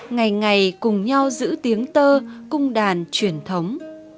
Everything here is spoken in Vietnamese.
ngày ngày cùng nhau giữ tiếng tơ cung đàn truyền thống